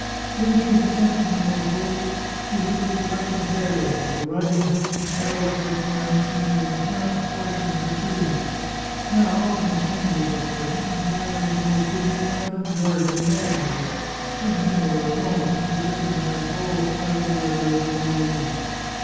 When she had sent him to Naples he had looked a reckless daredevil ; the riding whip which never left his hand seemed an inherent portion of his being. Now, when strangers were present, his manner was the most dignified and guarded imaginable, and when they were alone she recognised all the fiery ardour of his early youth.